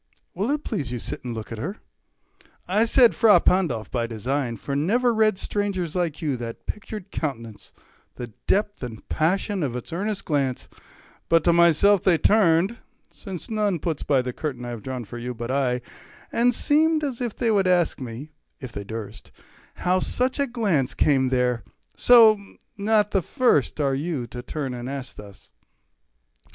Will't please you sit and look at her? I said "Fra Pandolf" by design, for never read Strangers like you that pictured countenance, The depth and passion of its earnest glance, But to myself they turned (since none puts by the curtain I have drawn for you, but I) 10 And seemed as they would ask me, if they durst, How such a glance came there; so, not the first Are you to turn and ask thus.